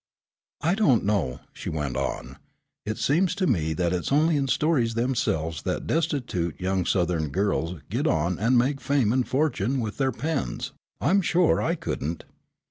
"I don't know," she went on, "it seems to me that it's only in stories themselves that destitute young Southern girls get on and make fame and fortune with their pens. I'm sure I couldn't."